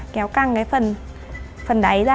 kéo căng cái phần đáy ra